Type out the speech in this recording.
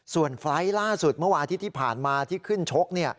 ส่วนไฟล์ทล่าสุดเมื่อวานอาทิตย์ที่ผ่านมาที่ขึ้นชก